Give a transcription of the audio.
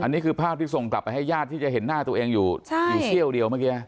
อันนี้คือภาพที่ส่งกลับไปให้ญาติที่จะเห็นหน้าตัวเองอยู่อยู่เขี้ยวเดียวเมื่อกี้